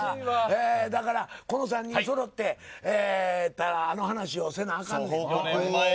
だから、この３人そろってあの話をせなあかんねん。